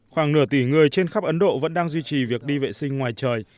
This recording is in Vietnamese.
khoảng nửa tỷ người trên khắp ấn độ vẫn đang duy trì việc đi vệ sinh ngoài trời